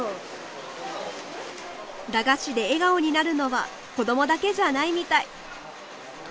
駄菓子で笑顔になるのは子どもだけじゃないみたい。